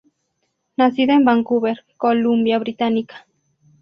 Nacido en Vancouver, Columbia Británica.